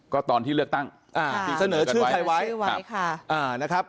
ก็ตอนที่เลือกตั้งที่เสนอชื่อใครไว้ค่ะนะครับ